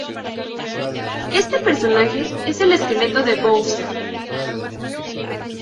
Este personaje es el esqueleto de Bowser.